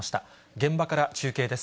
現場から中継です。